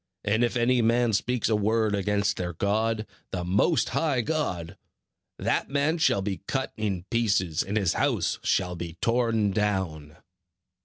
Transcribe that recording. And if any man speaks a word against their God, the Most High God, that man shall be cut in pieces, and his house shall be torn down."